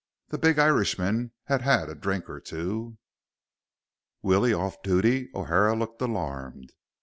The big Irishman had had a drink or two. "Willie off duty?" O'Hara looked alarmed.